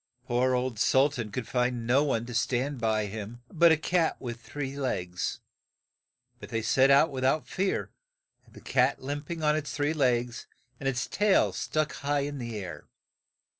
Poor old Sul tan could find no one to stand by him but a cat that had but three legs. But they set out with out fear, 142 OLD SULTAN the cat limp ing on its three .legs, and its tail stuck high in the air.